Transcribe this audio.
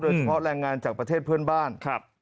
โดยเฉพาะแรงงานจากประเทศเพื่อนบ้าน